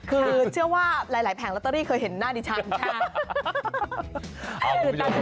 คือเชื่อว่าหลายแผงลอตเตอรี่เคยเห็นหน้าดิฉันใช่ไหม